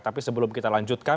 tapi sebelum kita lanjutkan